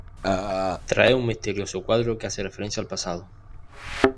Trae un misterioso cuadro que hace referencia al pasado.